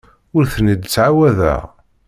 Ur ten-id-ttɛawadeɣ.